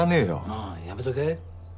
ああやめとけ。